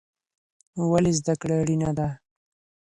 ولې زده کړه اړینه ده؟